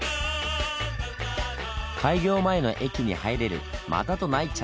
開業前の駅に入れるまたとないチャンス。